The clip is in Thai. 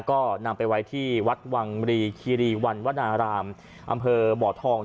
ก็นำไปไว้ที่วัดวังรีคีรีวันวนารามอำเภอบ่อทอง